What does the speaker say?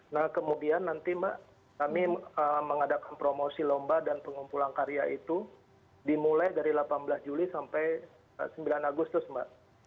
nah kemudian nanti mbak kami mengadakan promosi lomba dan pengumpulan karya itu dimulai dari delapan belas juli sampai sembilan agustus mbak